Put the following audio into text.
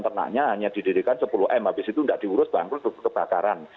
ternaknya hanya didirikan sepuluh m habis itu tidak diurus bangkrut kebakaran